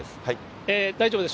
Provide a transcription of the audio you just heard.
大丈夫です。